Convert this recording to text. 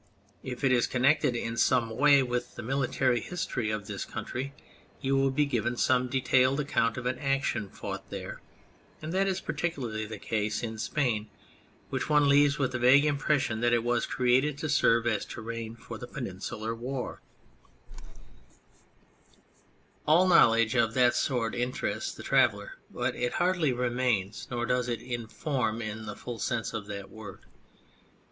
If it is connected in some way with the military history of this country you will be given some detailed account of an action fought there, and that is particularly the case in Spain, which one leaves with the vague impression that it was created to serve as a terrain for the Peninsular War. 128 On History in Travel All knowledge of that sort interests the traveller, but it hardly remains, nor does it " inform " in the full sense of that word.